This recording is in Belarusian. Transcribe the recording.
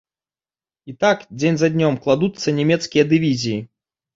І так дзень за днём кладуцца нямецкія дывізіі.